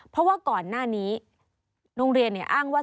เพราะว่าก่อนหน้านี้โรงเรียนอ้างว่า